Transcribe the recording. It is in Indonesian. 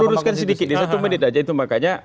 perlu luruskan sedikit satu menit aja itu makanya